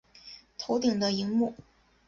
头顶的萤幕